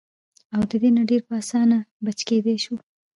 او د دې نه ډېر پۀ اسانه بچ کېدے شو -